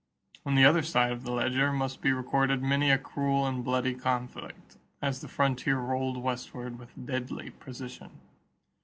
On the other side of the ledger must be recorded many a cruel and bloody conflict as the frontier rolled westward with deadly precision.